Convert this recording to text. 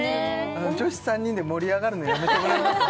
女子３人で盛り上がるのやめてもらえます？